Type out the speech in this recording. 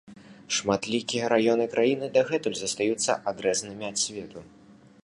Шматлікія раёны краіны дагэтуль застаюцца адрэзанымі ад свету.